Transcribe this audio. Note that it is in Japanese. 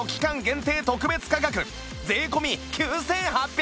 限定特別価格税込９８００円